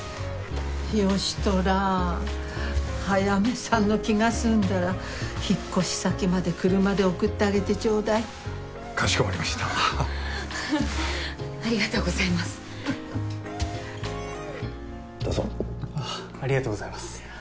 吉寅早梅さんの気が済んだら引っ越し先まで車で送ってあげてちょうだいかしこまりましたありがとうございますどうぞあっありがとうございます